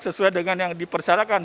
sesuai dengan yang dipersyaratkan